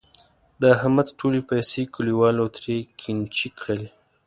د احمد ټولې پیسې کلیوالو ترې قېنچي کړلې.